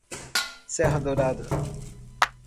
Serra Dourada